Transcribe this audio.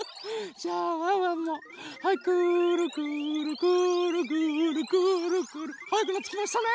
じゃあワンワンもはいくるくるくるくるはやくなってきましたね。